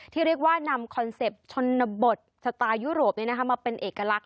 ที่เรียกว่านำคอนเซ็ปต์ชนบทสไตล์ยุโรปมาเป็นเอกลักษณ